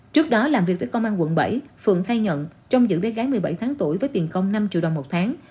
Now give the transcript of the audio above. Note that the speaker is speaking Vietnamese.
trước đó làm việc với công an quận bảy phượng khai nhận trông giữ bé gái một mươi bảy tháng tuổi với tiền công năm triệu đồng một tháng